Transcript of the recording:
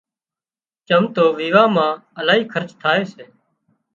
چم تو ويوان مان الاهي خرچ ٿائي سي